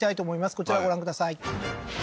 こちらご覧ください